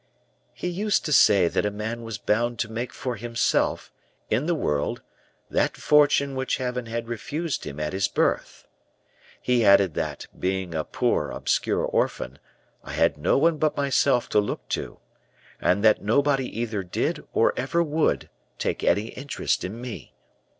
"He used to say that a man was bound to make for himself, in the world, that fortune which Heaven had refused him at his birth. He added that, being a poor, obscure orphan, I had no one but myself to look to; and that nobody either did, or ever would, take any interest in me.